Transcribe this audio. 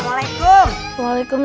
sampai jumpa di video selanjutnya